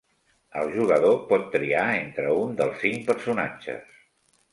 El jugador pot triar entre un dels cinc personatges.